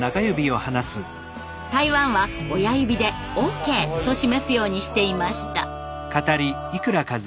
台湾は親指でＯＫと示すようにしていました。